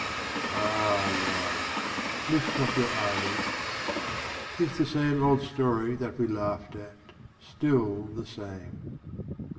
Ah, love, lift not your eyelids; 'Tis the same Old story that we laughed at, Still the same.